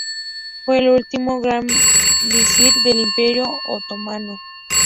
Fue el último gran visir del Imperio otomano.